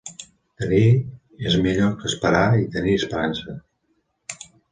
Tenir és millor que esperar i tenir esperança.